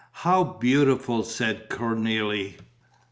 "How beautiful!" said Cornélie.